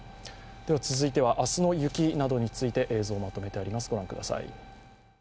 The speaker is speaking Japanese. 続いては、明日の雪などについて映像まとめてあります。